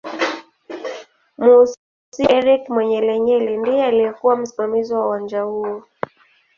Musiiwa Eric Manyelenyele ndiye aliyekuw msimamizi wa uwanja huo